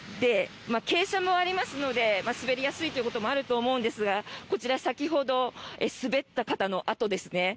傾斜もありますので滑りやすいということもあると思うんですがこちら先ほど滑った方の跡ですね。